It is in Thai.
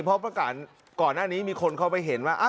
เพราะประกาศก่อนหน้านี้มีคนเข้าไปเห็นว่า